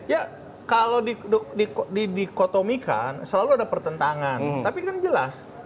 ya kalau dikotomikan selalu ada pertentangan tapi kan jelas